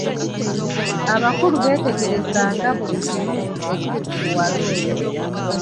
Abakulu beetegerezanga buli kimu ekiri ku muwala oyo.